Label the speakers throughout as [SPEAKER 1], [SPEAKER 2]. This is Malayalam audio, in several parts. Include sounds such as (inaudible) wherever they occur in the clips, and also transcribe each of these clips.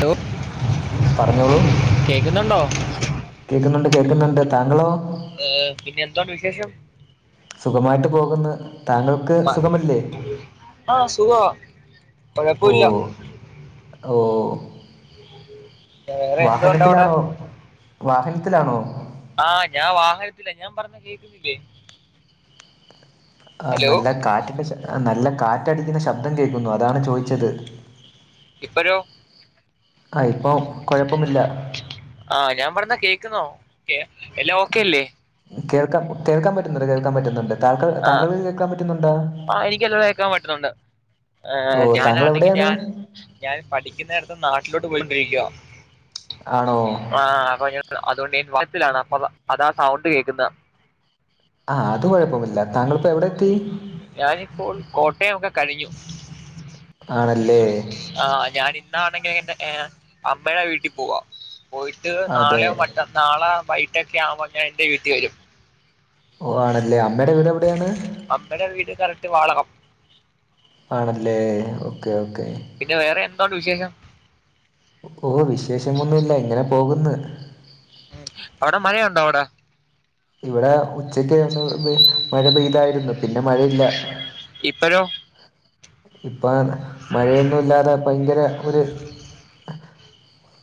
[SPEAKER 1] ഹലോ
[SPEAKER 2] പറഞ്ഞോളൂ
[SPEAKER 1] കേക്കുന്നുണ്ടോ
[SPEAKER 2] കേക്കുന്നുണ്ട് കേക്കുന്നുണ്ട് താങ്കളോ
[SPEAKER 1] ഏഹ് പിന്നെ എന്തൊണ്ട് വിശേഷം
[SPEAKER 2] സുഖമായിട്ട് പോകുന്ന് താങ്കൾ ക്ക്
[SPEAKER 1] മ-
[SPEAKER 2] സുഖമല്ലേ
[SPEAKER 1] ആ സുഖമാ കുഴപ്പമില്ല
[SPEAKER 2] ഓഹ് ഓഹ്
[SPEAKER 1] വേറെ എന്തുണ്ട് അവിടെ
[SPEAKER 2] വാഹനത്തിലാണോ വാഹനത്തിലാണോ
[SPEAKER 1] ആഹ് ഞാൻ വാഹനത്തില ഞാൻ പറയ്ന്ന കേക്കുന്നില്ലേ
[SPEAKER 2] ആഹ്
[SPEAKER 1] ഹലോ
[SPEAKER 2] നല്ല കാറ്റിന്റെ ശ നല്ല കാറ്റടിക്കുന്ന ശബ്ദം കേക്കുന്നു അതാണ് ചോദിച്ചത്
[SPEAKER 1] ഇപ്പഴോ
[SPEAKER 2] ആഹ് ഇപ്പോ കൊഴപ്പമില്ല
[SPEAKER 1] ആഹ് ഞാൻ പറയുന്ന കേക്കുന്നോ കേ എല്ലാ ഓക്കെല്ലേ
[SPEAKER 2] കേൾക്കാം കേൾക്കാൻ പറ്റുന്നുണ്ട് കേൾക്കാൻ പറ്റുന്നുണ്ട് താങ്കൾ താങ്കൾക്ക്‌ കേക്കാൻ പറ്റുന്നുണ്ടോ
[SPEAKER 1] ആഹ് എനിക്കെല്ലാം കേക്കാൻ പറ്റുന്നുണ്ട്
[SPEAKER 2] ഓ
[SPEAKER 1] ഏഹ്
[SPEAKER 2] താങ്കൾ
[SPEAKER 1] ഞാനാണെങ്കി
[SPEAKER 2] എവിടെയാണ്
[SPEAKER 1] ഞാൻ ഞാൻ പഠിക്കുന്നേടത്ത്ന്ന് നാട്ടിലോട്ട് പോയിണ്ടിരിക്കുവാ
[SPEAKER 2] ആണോ
[SPEAKER 1] ആഹ് അപ്പൊ (unintelligible) അതുകൊണ്ട് ഞാൻ ബസിലാണ് അപ്പൊ അതാ അതാ സൗണ്ട് കേക്കുന്ന
[SPEAKER 2] ആഹ് അത് കൊഴപ്പമില്ല താങ്കളിപ്പോ എവിടെ എത്തി
[SPEAKER 1] ഞാനിപ്പോൾ കോട്ടയോക്കെ കഴിഞ്ഞു
[SPEAKER 2] ആണല്ലേ
[SPEAKER 1] ആഹ് ഞാൻ ഇന്നാണെങ്കി എന്റെ എഹ് അമ്മേടെ വീട്ടി പോവാ പോയിട്ട് ട്ട്
[SPEAKER 2] അതെ
[SPEAKER 1] നാളെയോ മറ്റ നാള വൈകിട്ടൊക്കെ ആകുമ്പോ ഞാൻ എന്റെ വീട്ടി വരും
[SPEAKER 2] ഓഹ് ആണല്ലേ അമ്മേടെ വീട് എവിടെയാണ്
[SPEAKER 1] അമ്മേടെ വീട് കറക്റ്റ് വാളകം
[SPEAKER 2] ആണല്ലേ ഓക്കേ ഓക്കേ
[SPEAKER 1] പിന്നെ വേറെ എന്തോണ്ട് വിശേഷം
[SPEAKER 2] ഓഹ് വിശേഷമൊന്നുഇല്ല ഇങ്ങനെ പോകുന്നു
[SPEAKER 1] അവിടെ മഴയുണ്ടോ അവിടെ
[SPEAKER 2] ഇവിട ഉച്ചക്ക് ഒന്ന് വെ മഴ പെയ്താരുന്നു പിന്നെ മഴയില്ല
[SPEAKER 1] ഇപ്പഴോ
[SPEAKER 2] ഇപ്പ മഴയൊന്നുഇല്ലാതെ ഭയങ്കര ഒര്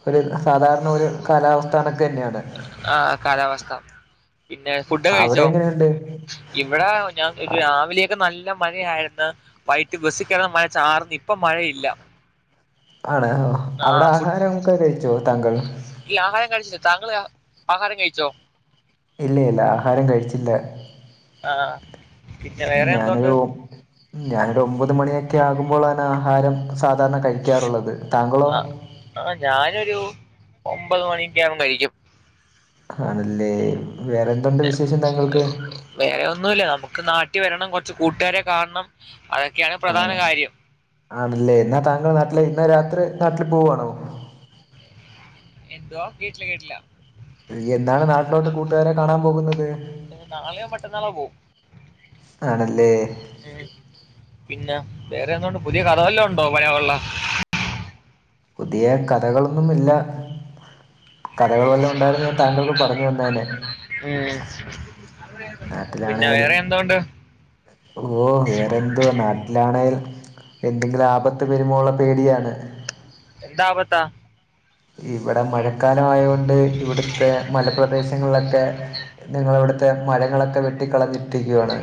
[SPEAKER 2] ഒര് സാധാരണ ഒരു കാലാവസ്ഥ കണക് തന്നെയാണ്
[SPEAKER 1] ആഹ് കാലാവസ്ഥ പിന്നെ ഫുഡ് ഒക്കെ
[SPEAKER 2] അവിടെ
[SPEAKER 1] കഴിച്ചോ
[SPEAKER 2] എങ്ങനെയുണ്ട്
[SPEAKER 1] ഇവിടെ ഞാൻ ഒരു
[SPEAKER 2] ആ-
[SPEAKER 1] രാവിലെക്കെ നല്ല മഴയാരുന്നു വൈകിട്ട് ബസികേറാൻ മഴ ചാറ്ന്ന് ഇപ്പ മഴയില്ല
[SPEAKER 2] ആണ് ഓഹ് അവിടെ
[SPEAKER 1] ആഹ് ഫുഡ്
[SPEAKER 2] ആഹാരോക്കെ കഴിച്ചോ താങ്കൾ
[SPEAKER 1] ഇല്ല ആഹാരം കഴിച്ചില്ല താങ്കള് ആ ആഹാരം കഴിച്ചോ
[SPEAKER 2] ഇല്ല ഇല്ല ആഹാരം കഴിച്ചില്ല
[SPEAKER 1] ആഹ് പിന്നെ വേറെ
[SPEAKER 2] ഞാനൊരു
[SPEAKER 1] എന്തുണ്ട്
[SPEAKER 2] ഒമ് ഞാനൊരു ഒമ്പത് മണിയൊക്കെ ആകുമ്പോളാണ് ആഹാരം സാധാർണ കഴിക്കാറുള്ളത് താങ്കളോ
[SPEAKER 1] ആഹ് ഞാനൊരു ഒമ്പത് മണിക്കെയാവുമ്പ കഴിക്കും
[SPEAKER 2] ഹാണ്ല്ലേ വേറെന്തുണ്ട്
[SPEAKER 1] പിന്നെ
[SPEAKER 2] വിശേഷം താങ്കൾക്ക്
[SPEAKER 1] വേറെ ഒന്നുല്ല നമുക്ക് നാട്ടി വരണം കൊർച്ച് കൂട്ടേരെ കാണ്ണം അതൊക്കെയാണ് പ്രധാന കാര്യം
[SPEAKER 2] ആണ്ല്ലേ ന്നാതാങ്കൾ നാട്ടിലെ ഇന്ന് രാത്രി നാട്ടിൽ പോവാണോ
[SPEAKER 1] എന്തുവാ കേട്ടില കേട്ടിലാ
[SPEAKER 2] ഇനി എന്നാണ് നാട്ടിലോട്ട് കൂട്ടുകാരെ കാണാൻ പോകുന്നത്
[SPEAKER 1] നാളെയോ മറ്റന്നാളോ പോവും
[SPEAKER 2] ആണല്ലേ
[SPEAKER 1] ഉം പിന്നെ വേറെന്തുണ്ട് പുതിയ കഥവല്ലൊണ്ടോ മയ വള്ളം
[SPEAKER 2] പുതിയ കഥകളൊന്നുമില്ല കഥകൾ
[SPEAKER 1] ഉം
[SPEAKER 2] വല്ലതുണ്ടായിരുന്നെങ്കിൽ താങ്കൾക്ക് പറഞ്ഞു തന്നേനെ
[SPEAKER 1] ഉം പിന്നെ
[SPEAKER 2] നാട്ടിലാണേൽ
[SPEAKER 1] വേറെ എന്തോണ്ട്
[SPEAKER 2] ഓ വേറെന്തോ നാട്ടിലാണേൽ എന്തെങ്കിലും ആപത്ത് വെരുമോള്ള പേടിയാണ്
[SPEAKER 1] എന്താപത്താ
[SPEAKER 2] ഇവടെ മഴക്കാല ആയോണ്ട് ഇവിടുത്തെ മലപ്രദേശങ്ങളിലൊക്കെ ഞങ്ങളവിടുത്തെ മരങ്ങളൊക്കെ വെട്ടി കളഞ്ഞിട്ടിരിക്കുവാണ്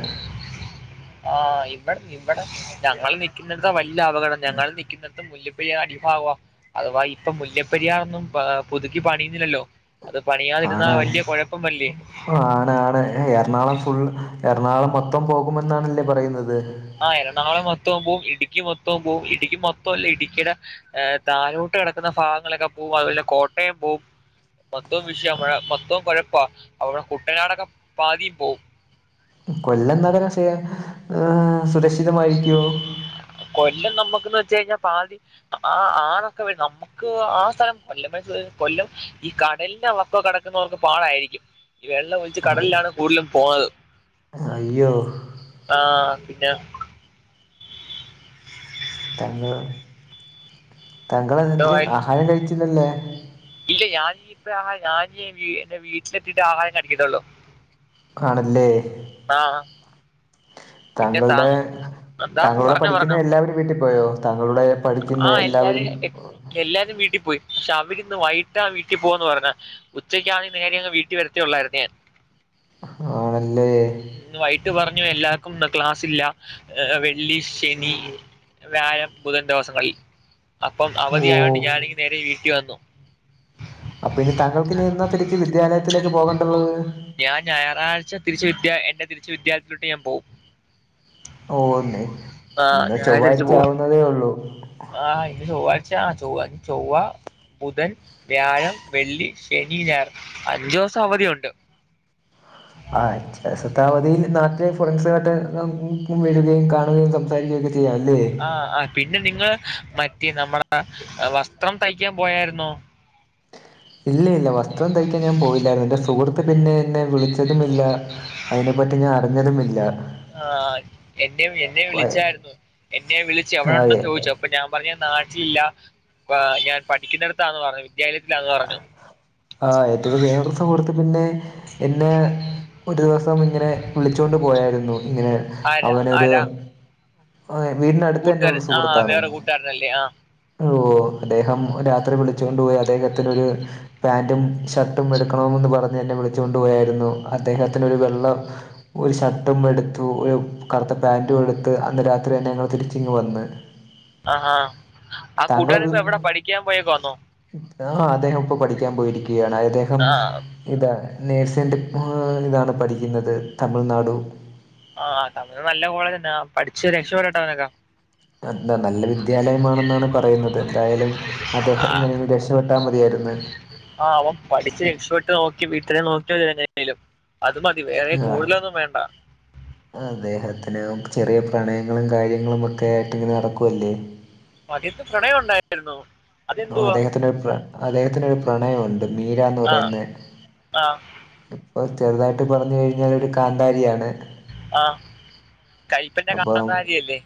[SPEAKER 1] ആഹ് ഇവട് ഇവടെ ഞങ്ങൾ നിക്ക്ന്നിടത്ത വല്ല്യ അപകടം ഞങ്ങൾ നിക്ക്ന്ന പ്പം മുല്ലപ്പെരിയാ അടിഭാവൊ അഥവാ ഇപ്പം മുല്ലപ്പെരിയാറൊന്നും ഏ പുതുക്കി പണിയുന്നില്ലല്ലോ അത് പണിയാതിരുന്നാ
[SPEAKER 2] ആണാണ്
[SPEAKER 1] വല്ല്യ കൊഴപ്പമല്ലേ
[SPEAKER 2] ഏ എറണാകുളം ഫുൾ എറണാകുളം മൊത്തം പോകുമെന്നാണല്ലേ പറയുന്നത്
[SPEAKER 1] ആ എറണാകുളം മൊത്തോം പോവും ഇടുക്കി മൊത്തോം പോവും ഇടുക്കി മൊത്തോ അല്ല ഇടുക്കിടെ ഏ താഴോട്ട് കെടക്ക്ന്ന ഭാഗങ്ങളൊക്കെ പോവും അതിലെ കോട്ടയം പോവും മൊത്തോം വിഷയ മൊത്തോം കൊഴപ്പാ അവടെ കുട്ടനാടൊക്കെ പാതിം പോവും
[SPEAKER 2] കൊല്ലം (unintelligible) ഏ സുരക്ഷിതമായിരിയ്ക്കോ
[SPEAKER 1] കൊല്ലം നമ്മുക്ക്ന്ന് വെച്ചെഴിഞ്ഞാ പാതി ആ ആ ആ (unintelligible) നമ്മ ക്ക് ആ സ്ഥലം കൊല്ലംന്നച്ച് കൊല്ലം ഈ കടലിന്റെ വക്കൊ കടക്കുന്നവർക്ക് പാടായിരിക്കും ഇ വെള്ള ഒലി ച്ച് കടൽല്ലാണ് കൂട്ലും പോണത്
[SPEAKER 2] അയ്യോ
[SPEAKER 1] ആഹ് പിന്നെ
[SPEAKER 2] തങ്കള് താങ്കള്
[SPEAKER 1] എന്തോ
[SPEAKER 2] (unintelligible) ആഹാരം കഴിച്ചില്ലല്ലേ
[SPEAKER 1] ഇല്ലെയ് ഞാൻ ഞിപ്പ ആഹ ഞാൻ ഞിയ വീ എന്റെ വീട്ടിലെത്തീട്ട് ആഹാരം കഴിക്കതൊള്ളൂ
[SPEAKER 2] ക്കാണ്ല്ലേ
[SPEAKER 1] ആഹ് ആ പിന്നെ താ
[SPEAKER 2] താങ്കൾടെ
[SPEAKER 1] എന്താ
[SPEAKER 2] താങ്കളെ കൂടെ
[SPEAKER 1] പറഞ്ഞോ
[SPEAKER 2] പഠിക്കുന്ന
[SPEAKER 1] പറഞ്ഞോ
[SPEAKER 2] എല്ലാവരും വീട്ടി പോയോ താങ്കളുടെ പഠിക്ക്ന്ന
[SPEAKER 1] ആ
[SPEAKER 2] എല്ലാവരും
[SPEAKER 1] എല്ലാരും എല്ലാരും വീട്ടിപ്പോയി പക്ഷേ അവര്ന്ന് വൈട്ടാ വീട്ടി പോവാന്ന് പറഞ്ഞെ ഉച്ചക്കാണേൽ നേരെ അങ്ങ് വീട്ടി വരത്തേ ഒള്ളായിരുന്നു ഞാൻ
[SPEAKER 2] ആണല്ലേ
[SPEAKER 1] ന്ന് വൈട്ട് പറഞ്ഞു എല്ലാർക്കും ന്ന് ക്ലാസ്സില്ല ഏ വെള്ളി ശനി വ്യായം ബുധൻ ദിവസങ്ങളിൽ അപ്പം
[SPEAKER 2] ഓ
[SPEAKER 1] അവധി ആയോണ്ട് ഞാനിങ്ങ് നേരെ വീട്ടി വന്നു
[SPEAKER 2] അപ്പ ഇനി തങ്കൾക്കിനി എന്നാ തിരിച്ച് വിദ്യാലയത്തിലേക്ക് പോകണ്ട്ള്ളത്
[SPEAKER 1] ഞാൻ ഞായറാഴ്ച തിരിച്ച് വിദ്യ എന്റെ തിരിച്ച് വിദ്യാലയത്തിലോട്ട് ഞാൻ പോവും
[SPEAKER 2] ഓ ന്നെ
[SPEAKER 1] ആ
[SPEAKER 2] ഇന്ന് ചൊവ്വാഴ്ച ആവുന്നതേ ഒള്ളൂ
[SPEAKER 1] ആഹ് ഇന്ന് ചൊവ്വാഴ്ച്ചാ ചൊവ്വ ചൊവ്വാ ബുധൻ വ്യാഴം വെള്ളി ശനി ഞായർ അഞ്ചൂസവധിയുണ്ട്
[SPEAKER 2] ആഹ് അഞ്ചുസത്തെ അവധിയിൽ നാട്ടിലെ ഫ്രണ്ട്‌സ് (unintelligible) വരുകയും കാണുകയും സംസാരിക്കൊക്കെ ചെയ്യാംല്ലേ
[SPEAKER 1] ആഹ് ആഹ് പിന്നെ നിങ്ങൾ മറ്റേ നമ്മളെ വസ്ത്രം തയ്ക്കാൻ പോയാര്ന്നോ
[SPEAKER 2] ഇല്ല ഇല്ല വസ്ത്രം തയ്ക്കാൻ ഞാൻ പോയില്ല എന്റെ സുഹൃത്ത് പിന്നെ എന്നെ വിളിച്ചതുമില്ല അയ്നെപ്പറ്റി ഞാൻ അറിഞ്ഞതുമില്ല
[SPEAKER 1] ആഹ് എന്നെ എന്നെ
[SPEAKER 2] വയ-
[SPEAKER 1] വിളിച്ചായിരുന്നു എന്നെ വിളിച്ചു
[SPEAKER 2] ആ
[SPEAKER 1] എവെടെണ്ടെന്ന്
[SPEAKER 2] എ-
[SPEAKER 1] ചോദിച്ചു അപ്പൊ ഞാൻ പറയൻ നാട്ടിലില്ല ഞാൻ പഠിക്കുന്നിടത്താന്ന് പറഞ്ഞു വിദ്യാലയത്തിലാന്ന് പറഞ്ഞു
[SPEAKER 2] ആഹ് എന്റൊരു വെറൊരു സുഹൃത്ത് പിന്നെ എന്നെ ഒരു ദിവസം ഇങ്ങനെ വിളിച്ചൊണ്ട് പോയാരുന്നു ഇങ്ങനെ
[SPEAKER 1] ആരാ ആരാ
[SPEAKER 2] വീടിനട്ത്തെന്നെള്ള
[SPEAKER 1] കൂട്ടുകാരൻ ആ
[SPEAKER 2] സുഹൃത്താണ്
[SPEAKER 1] വേറെ കൂട്ടുകാരനല്ലേ ആ
[SPEAKER 2] ഓഹ് അദ്ദേഹം രാത്രി വിളിച്ചു കൊണ്ട്പോയി അദ്ദേഹത്തിനൊര് പാൻ്റും ഷർട്ടും എടുക്കണമെന്ന് പറഞ്ഞ് എന്നെ വിളിച്ചോണ്ടു പോയാരുന്നു അദ്ദേഹത്തിനൊരു വെള്ള ഒരു ഷർട്ടും എടുത്തു ഒരു കറുത്ത പാൻ്റും എടുത്ത് അന്ന് രാത്രി തന്നെ ഞങ്ങള് തിരിച്ച് ഇങ്ങ് വന്ന്
[SPEAKER 1] ആഹ് ആ
[SPEAKER 2] താങ്കളെ
[SPEAKER 1] കൂട്ടുകാരനിപ്പ എവിടാ പഠിക്കാൻ പോയെക്കുവാന്നോ
[SPEAKER 2] ആഹ് അദ്ദേഹം ഇപ്പൊ പഠിക്കാൻ പോയിരിക്കുകയാണ് അദ്ദേഹം
[SPEAKER 1] ആ
[SPEAKER 2] ഇതാ നേഴ്സിൻ ഇതാണ് പഠിക്കുന്നത് തമിഴ്നാടു
[SPEAKER 1] ആഹ് തമിഴ് നല്ല കോളേജന്നെ പഠിച്ച് രക്ഷപപ്പെടട്ടെ അവനൊക്കെ
[SPEAKER 2] എന്താ നല്ല വിദ്യാലയമാണെന്നാണ് പറയുന്നത് എന്തായാലും അദ്ദേഹത്തിനെങ്ങനെ രക്ഷപെട്ടാ മതിയായിര്ന്ന്
[SPEAKER 1] ആഹ് അവം പഠിച്ച് രക്ഷപ്പെട്ട് നോക്കി വീട്ടിനെ നോക്കി അത് മതി വേറെ
[SPEAKER 2] ആ
[SPEAKER 1] കൂടുതലൊന്നും വേണ്ട
[SPEAKER 2] അദ്ദേഹത്തിന് ചെറിയ പ്രണയങ്ങളും കാര്യങ്ങളും ഒക്കെ ആയിട്ട് ഇങ്ങനെ നടക്കുവല്ലേ
[SPEAKER 1] (unintelligible) പ്രണയം ഉണ്ടായിരുന്നൊ
[SPEAKER 2] ഓ അദ്ദേഹത്തിനൊ പ്ര അദ്ദേഹത്തിന് രു പ്രണയമുണ്ട മീരാന്ന്
[SPEAKER 1] ആ
[SPEAKER 2] പറയുന്നെ
[SPEAKER 1] ആ
[SPEAKER 2] ചെറുതായിട്ട് പറഞ്ഞു കഴിഞ്ഞാലൊരു കാന്താരിയാണ്
[SPEAKER 1] ആഹ് കയ്പ്പിന്റെ കാന്താരിയല്ലേ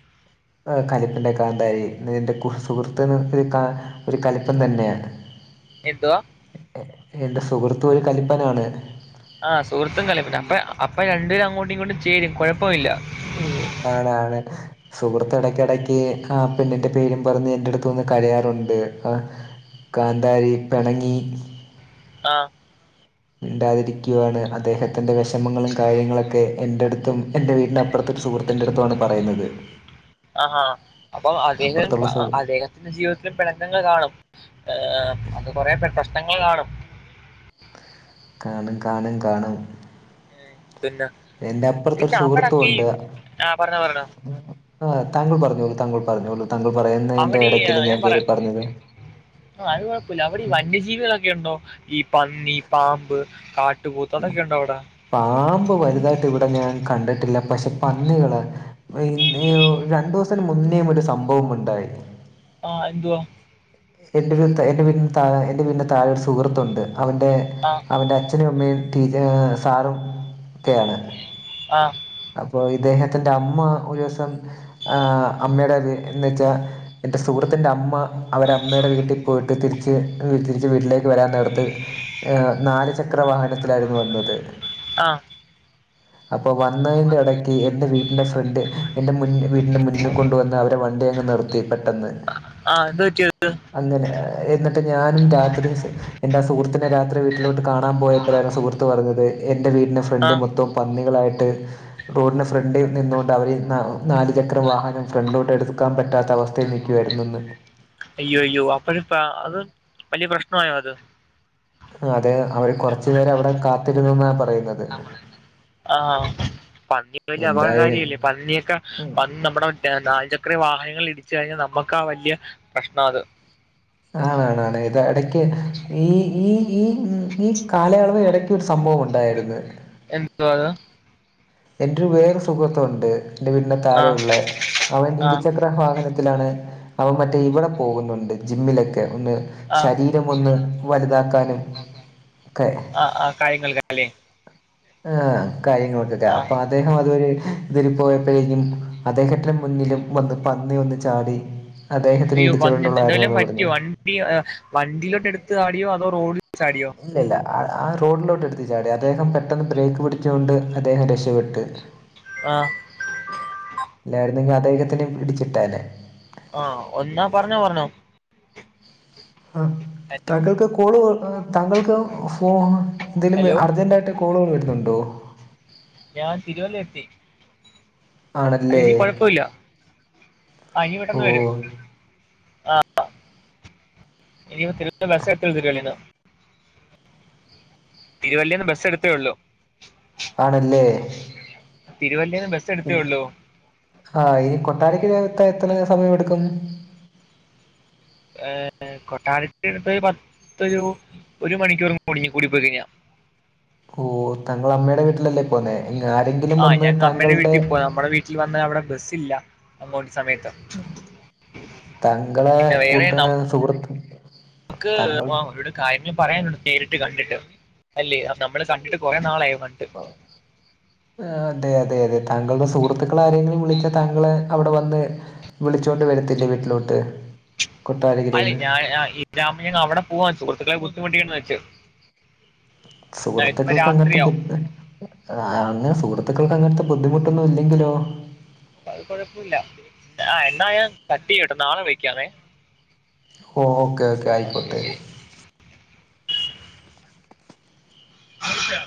[SPEAKER 2] ആഹ് കലിപ്പന്റെ കാന്താരി എന്റെ സുഹൃത്ത് കാ ഒര് കലിപ്പൻ തന്നെയാ
[SPEAKER 1] എന്തുവാ
[SPEAKER 2] എന്റെ സുഹൃത്തു ഒരു കലിപ്പനാണ്
[SPEAKER 1] ആഹ് സുഹൃത്തും കലിപ്പനാ അപ്പ അപ്പ രണ്ട്പേരും അങ്ങോട്ടും ഇങ്ങോട്ടും ചേരും കൊഴപ്പമില്ല
[SPEAKER 2] ഉം ആണ് ആണ് സുഹൃത്ത് എടയ്ക്കെടയ്ക്ക് ആ പെണ്ണിന്റെ പേരും പറഞ്ഞ് എന്റെ അടുത്ത് വന്ന് കരയാറുണ്ട് കാന്താരി പെണങ്ങി
[SPEAKER 1] ആഹ്
[SPEAKER 2] മിണ്ടാതിരിക്കുവാണ് അദ്ദേഹത്തിന്റെ വെഷമങ്ങളും കാര്യങ്ങളൊക്കെ എന്റെട്ത്തും എൻ്റെ വീടിനപ്പുറത്തെ സുഹൃത്തിന്റെ അടുത്തു വാണ് പറയുന്നത്
[SPEAKER 1] അഹ് ആഹ് അപ്പം
[SPEAKER 2] അപ്പുറത്തുള്ള സു
[SPEAKER 1] (unintelligible) ജീവിതത്തിൽ പെണക്കങ്ങൾ കാണും ഏഹ് അത് കൊറെ പ്രശ്നങ്ങൾ കാണും
[SPEAKER 2] കാണും കാണും കാണും
[SPEAKER 1] ഏ, പിന്നെ
[SPEAKER 2] എന്റെ അപ്പുറത്തൊരു
[SPEAKER 1] പിന്നെ അവിടൊക്കെ ഈ
[SPEAKER 2] സുഹൃത്തുണ്ട്
[SPEAKER 1] ആഹ് പറഞ്ഞോ പറഞ്ഞോ
[SPEAKER 2] ആഹ് താങ്കൾ പറഞ്ഞോളൂ താങ്കൾ പറഞ്ഞോളൂ താങ്കൾ പറയുന്നതിന്റെ
[SPEAKER 1] അവിടെ ഈ ആ,
[SPEAKER 2] എടയ്ക്കില് ഞാൻ കെറി
[SPEAKER 1] പറയാം
[SPEAKER 2] പറഞ്ഞത്
[SPEAKER 1] ആഹ് അത് കൊഴപ്പല്ല അവിടീ വന്യജീവികളൊക്കെ ഉണ്ടോ ഈ പന്നി പാമ്പ് കാട്ടുപോത്ത് അതൊക്കെ ഉണ്ടോ അവിടെ
[SPEAKER 2] പാമ്പ് വലുതായിട്ട് ഇവിടെ ഞാൻ കണ്ടിട്ടില്ല പക്ഷെ പന്നികള് രണ്ടു ദിവസത്തിന് മുന്നേ ഒരു സംഭവം ഉണ്ടായി
[SPEAKER 1] ആഹ് എന്തുവാ
[SPEAKER 2] എൻ്റെ ഒരു എൻ്റെ വീടിന്റെ താ എൻ്റെവീട്ടിന്റെ താഴൊരു സുഹൃത്തുണ്ട് അവൻ്റെ
[SPEAKER 1] ആഹ്
[SPEAKER 2] അവൻ്റെ അച്ഛനും അമ്മയും ടീച്ച സാറും ക്കെയാണ്.
[SPEAKER 1] ആഹ്
[SPEAKER 2] അപ്പൊ ഇദ്ദേഹത്തിന്റെ അമ്മ ഒരു ദിവസം. ആഹ് അമ്മയുടെ ത് എന്ന് വെച്ചാ എന്റെ സുഹൃത്തിന്റെ അമ്മ. അവരമ്മയുടെ വീട്ട് പോയിട്ട് തിരിച്ച് തിരിച്ച് വീട്ടിലേക്ക് വരാൻ നേരത്ത് ഏഹ് നാല് ചക്ര വാഹനത്തിലായിരുന്നു വന്നത്.
[SPEAKER 1] ആഹ്
[SPEAKER 2] അപ്പൊ വന്നതിന്റെ ഇടയ്ക്ക് എന്റെ വീട്ടിന്റെ ഫ്രണ്ട് എൻ്റെ മുന്ന് വീട്ട്ൻ്റെ മുന്ന് കൊണ്ടുവന്ന് അവരെ വണ്ടി അങ്ങ് നിർത്തി പെട്ടെന്ന്.
[SPEAKER 1] ആഹ് എന്ത പറ്റി ത്?
[SPEAKER 2] അങ്ങനെ എന്നിട്ട് ഞാനും രാത്രി സ് എന്റെ സുഹൃത്തിനെ രാത്രി വീട്ടിലോട്ട് കാണാൻ പോയപ്പലാണ് സുഹൃ ത്ത് പറഞ്ഞത് എൻ്റെ വീടിൻ്റെ ഫ്രണ്ട്
[SPEAKER 1] ആഹ്
[SPEAKER 2] മൊത്തം പന്നികളായിട്ട് റോഡിന് ഫ്രണ്ടിൽ നിന്നോണ്ട് അവര് നാ നാല് ചക്ര വാഹനം ഫ്രണ്ടിലോട്ട് എടുക്കാൻ പറ്റാത്ത അവസ്ഥയിൽ നി കെടന്നൊന്ന്
[SPEAKER 1] അയ്യോ അയ്യോ അപ്പഴ ഫ അത് വലിയ പ്രശ്നായോ അത്.
[SPEAKER 2] അതെ അവര് കൊറച്ച് നേരം അവടെ കാത്തിരുന്നെന്നാ പറയുന്നത്.
[SPEAKER 1] ആഹ് പന്നി വലിയ
[SPEAKER 2] എന്തായാലും
[SPEAKER 1] അപകടകാര്യല്ലേ പന്നിയൊക്കെ
[SPEAKER 2] ഉം.
[SPEAKER 1] പന്ന നമ്മുടെ (unintelligible) ഇത്രേം വാഹനങ്ങൾ ഇടിച്ച് കഴിഞ്ഞാ നമ്മക്കാ ആ വല്ല്യ പ്രശ്ന ത്.
[SPEAKER 2] ആണാണാണ് ഇത് എടക്കി ഈ ഈ ഈ ഉം ഈ കാലയളവ് എട സംഭവം ഉണ്ടായിരുന്ന്.
[SPEAKER 1] (unintelligible)
[SPEAKER 2] എന്റെരു വേറെ സുഹൃത്തുണ്ട് എന്റെ വീട്ട്ൻ്റെ
[SPEAKER 1] ആഹ്
[SPEAKER 2] താഴെയുള്ള അവൻ
[SPEAKER 1] ആഹ്
[SPEAKER 2] ഇടിച്ച വാഹനത്തിലാണ് അവ മറ്റേ ഇവടെ പോകുന്നുണ്ട് ജിമ്മിലൊക്കെ ഒന്ന്
[SPEAKER 1] ആഹ്
[SPEAKER 2] ശരീ മൊന്ന് വലുതാക്കാന് ഒക്കെ
[SPEAKER 1] ആഹ് ആഹ് (unintelligible) ല്ലേ.
[SPEAKER 2] ആഹ് (unintelligible) അപ്പ
[SPEAKER 1] ആഹ്
[SPEAKER 2] അ അദ്ദേഹം അത് ഒരു ഇതിൽ പോയപ്പോഴേഞ്ഞും (unintelligible) മുന്നിലും വന്ന് പന്നി വന്ന് ചാടി. അദ്ദേഹത്തിന്
[SPEAKER 1] അയ്യോ
[SPEAKER 2] ഇടിച്ചോ (unintelligible)
[SPEAKER 1] പന്നി എന്തെലും
[SPEAKER 2] റഞ്ഞ്
[SPEAKER 1] പറ്റിയോ വണ്ടി വണ്ടിയിലോട്ട് എടുത്ത് ചാടിയോ അതോ റോഡ് ചാടിയോ?
[SPEAKER 2] ഇല്ല ല്ല ആഹ് ആഹ് റോഡിലോട്ട് എടുത്ത് ചാടി അദ്ദേഹം പെട്ടെന്ന് ബ്രേക്ക് പിടിച്ചോണ്ട് അദ്ദേഹം രക്ഷപ്പെട്ട്.
[SPEAKER 1] ആഹ്
[SPEAKER 2] ഇല്ലായിരുന്നെങ്കി അദ്ദേഹത്തിന് ഇടിച്ചിട്ടേനെ.
[SPEAKER 1] ആഹ് ഒന്നാ പറഞ്ഞോ പറഞ്ഞോ.
[SPEAKER 2] ആഹ്
[SPEAKER 1] ഹലോ
[SPEAKER 2] താങ്കൾക്ക് കോള് താങ്കൾക്ക് ഫോ എന്തെലും
[SPEAKER 1] ഹലോ
[SPEAKER 2] അർജൻ്റായിട്ട് കോളോന്ന് വരുന്നുണ്ടോ?
[SPEAKER 1] ഞാൻ തിരുവല്ല എത്തി. അല്ല
[SPEAKER 2] ആണല്ലേ
[SPEAKER 1] ഇനി കുഴപ്പമില്ല ആഹ് ഇനി പെട്ടെന്ന് വരും
[SPEAKER 2] ഓഹ്
[SPEAKER 1] ആഹ് (unintelligible) തിരുവല്ലേന്ന് ബസ്സ് എടുത്തേ ള്ളൂ.
[SPEAKER 2] ആണല്ലേ.
[SPEAKER 1] തിരുവല്ലേന്ന് ബസ്സ് എടുത്തേ ള്ളൂ.
[SPEAKER 2] ആഹ് ഈ കൊട്ടാരക്ക് എത്ത എത്തണ സമയോ ടുക്കും?
[SPEAKER 1] ഏഹ് കൊട്ടാരത്തിടുത്ത് പത്തൊരു ഒരു മണിക്കൂർ (unintelligible) പോയിക്കഴിഞ്ഞ.
[SPEAKER 2] ഓഹ് തങ്കൾ അമ്മയുടെ വീട്ടിലല്ലേ പോന്നേ ആരെങ്കിലും വന്ന് താങ്കളുടെ
[SPEAKER 1] ട്ടിൽ വന്ന് അവടെ ബസ്സ് ഇല്ല അങ്ങോട്ട് സമയത്ത്.
[SPEAKER 2] താങ്കളെ കൂട്ട സുഹൃത്ത്
[SPEAKER 1] ക്ക്
[SPEAKER 2] താങ്കൾ
[SPEAKER 1] വാ കാര്യങ്ങൾ പറയാനുണ്ട് നേരിട്ട് കണ്ട്ട്ട് അല്ലേ അ നമ്മള് കണ്ട്ട്ട് കൊറെ നാളായി കണ്ട്
[SPEAKER 2] ആഹ് ആഹ് അതെ അതെ അതെ താങ്കളുടെ സുഹൃത്തുക്കൾ ആരെങ്കിലും വിളിച്ചാ താങ്കളെ അവടെ വന്ന് വിളിച്ചോണ്ട് വരത്തില്ലേ വീട്ടിലോട്ട് കൊട്ടാരക്കരയിൽ
[SPEAKER 1] അല്ലേ
[SPEAKER 2] നിന്ന്
[SPEAKER 1] ഞാൻ ഈ (unintelligible) അവിടെ പോവാ സുഹൃത്ത്ക്കളെ ബുദ്ധിമുട്ടിക്കേണ്ട വെച്ചു
[SPEAKER 2] സുഹൃത്ത്ക്കൾക്ക് അങ്ങനത്തെ ബുദ്ധ് ആഹ് അങ്ങനെ സുഹൃത്ത്ക്കൾക്ക് അങ്ങനത്തെ ബുദ്ധിമുട്ടൊന്നും ഇല്ലെങ്കിലോ
[SPEAKER 1] അത് കുഴപ്പുല്ല ആഹ് എന്നാ ഞാൻ കട്ടെയ്യാട്ടോ നാളെ വിളിക്കാവെ
[SPEAKER 2] ഓക്കേ ഓക്കെ അയിക്കോട്ടെ
[SPEAKER 1] അത്സാ